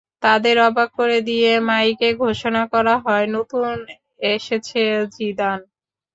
তাদের অবাক করে দিয়ে মাইকে ঘোষণা করা হয়, নতুন এসেছে জিদান।